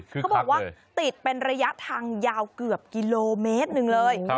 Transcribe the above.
เขาบอกว่าติดเป็นระยะทางยาวเกือบกิโลเมตรหนึ่งเลย